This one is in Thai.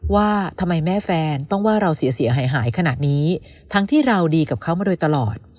ว่าทำไมแม่แฟนต้องว่าเราเสียหายหายขนาดนี้ทั้งที่เราดีกับเขามาโดยตลอด